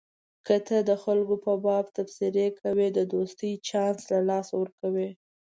که ته د خلکو په باب تبصرې کوې د دوستۍ چانس له لاسه ورکوې.